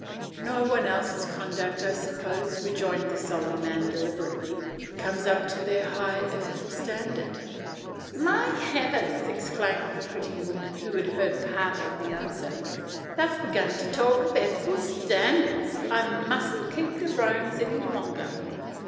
" No one else's conduct, I suppose," rejoined the solemn man deliberately, "comes up to their high ethical standard." " My Heavens !" exclaimed the pretty woman, who had heard part of the answer, " they've begun to talk of ethical standards. I mustn't keep the roans any longer.